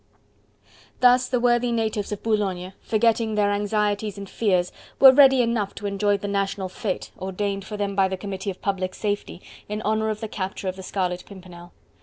Thus the worthy natives of Boulogne, forgetting their anxieties and fears, were ready enough to enjoy the national fete ordained for them by the Committee of Public Safety, in honour of the capture of the Scarlet Pimpernel.